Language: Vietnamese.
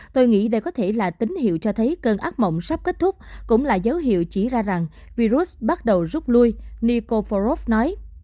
tôi nghĩ đây có thể là tín hiệu cho thấy cơn ác mộng sắp kết thúc cũng là dấu hiệu chỉ ra rằng virus bắt đầu rút lui nicophorov nói